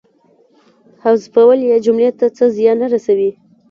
حذفول یې جملې ته څه زیان نه رسوي.